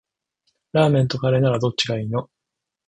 ラーメンとカレーならどっちがいいの？